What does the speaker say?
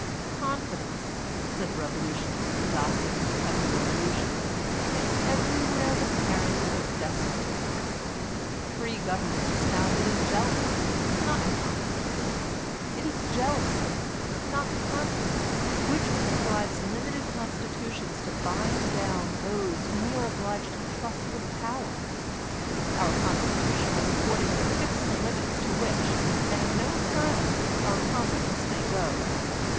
'^Confidence/' said the revolutionists who adopted the Kentucky Resolutions, "is everywhere the parent of despotism; free government is founded in jealousy, not in confidence; it is jealousy, not confidence, which pre scribes limited constitutions to bind down those whom we are obliged to trust with power; our Constitution has accordingly fixed the limits to which, and no further, our confidence may go.